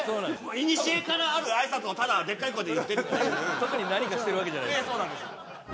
いにしえからあるあいさつをただでっかい声で言ってる特に何かしてるわけじゃないです